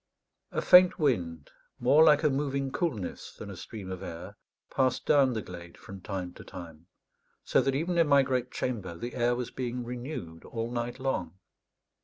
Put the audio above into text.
A faint wind, more like a moving coolness than a stream of air, passed down the glade from time to time; so that even in my great chamber the air was being renewed all night long.